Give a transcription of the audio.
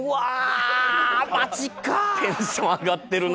テンション上がってるな。